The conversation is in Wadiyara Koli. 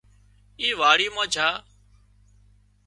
اي واڙِي مان جھا